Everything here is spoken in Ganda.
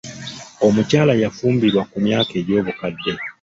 Omukyala yafunbirwa ku myaka egy'obukadde.